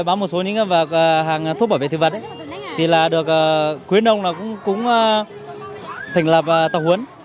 bán một số những hàng thuốc bảo vệ thực vật thì được quyến đồng là cũng thành lập tập huấn